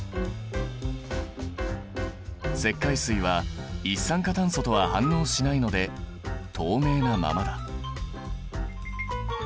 石灰水は一酸化炭素とは反応しないので透明なままだ。